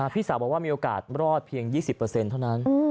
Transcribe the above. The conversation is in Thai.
พี่สาวบอกว่ามีโอกาสรอดเพียง๒๐เปอร์เซ็นต์เท่านั้น